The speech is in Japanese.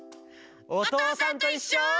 「おとうさんといっしょ」。